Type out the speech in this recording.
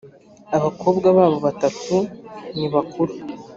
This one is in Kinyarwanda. abakobwa babo batatu nibakuru.